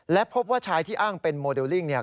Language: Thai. และพบว่าชายที่อ้างเป็นโมเดลลิ่งเนี่ย